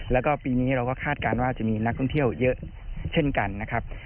แล้วก็ปีนี้เราก็คาดการณ์ว่าจะมีนักท่องเที่ยวเยอะเช่นกันนะครับ